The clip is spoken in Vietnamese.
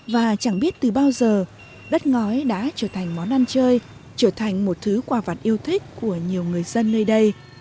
và chẳng biết từ bao giờ đất ngói đã trở thành món ăn chơi trở thành một thứ quà vặt yêu thích của nhiều người dân nơi đây